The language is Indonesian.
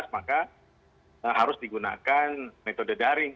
maka harus digunakan metode daring